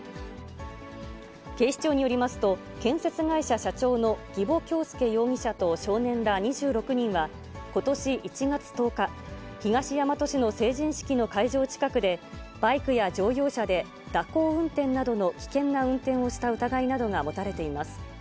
警視庁によりますと、建設会社社長の儀保恭祐容疑者と少年ら２６人は、ことし１月１０日、東大和市の成人式の会場近くで、バイクや乗用車で蛇行運転などの危険な運転をした疑いなどが持たれています。